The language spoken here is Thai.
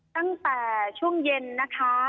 ตั้งแต่ช่วงเย็นนะคะ